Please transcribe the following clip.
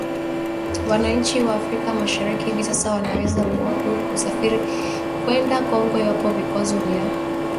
Wananchi wa Afrika Mashariki hivi sasa wanaweza kuwa huru kusafiri kwenda Kongo iwapo vikwazo vya kusafiri na biashara kama vile dola hamsini ya viza vimeondolewa